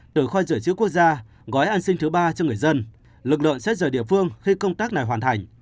từ khoai rửa chứa quốc gia gói an sinh thứ ba cho người dân lực lượng sẽ rời địa phương khi công tác này hoàn thành